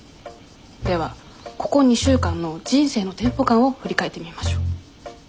ではここ２週間の人生のテンポ感を振り返ってみましょう。